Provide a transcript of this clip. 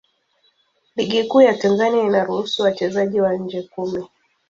Ligi Kuu ya Tanzania inaruhusu wachezaji wa nje kumi.